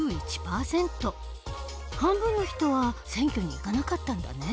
半分の人は選挙に行かなかったんだね。